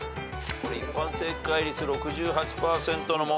これ一般正解率６８％の問題。